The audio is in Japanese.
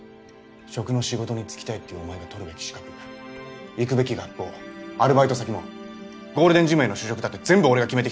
食の仕事に就きたいっていうお前が取るべき資格行くべき学校アルバイト先もゴールデンジムへの就職だって全部俺が決めてきた。